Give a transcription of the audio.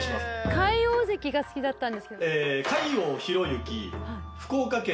魁皇関が好きだったんですけど。